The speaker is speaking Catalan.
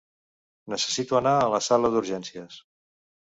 Necessito anar a la sala d'urgències.